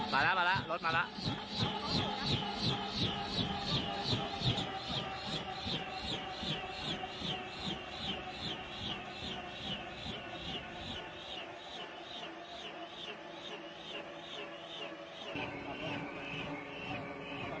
มาแล้วมาแล้วรถมาแล้ว